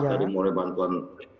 dari mulai bantuan